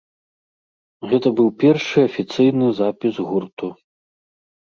Гэта быў першы афіцыйны запіс гурту.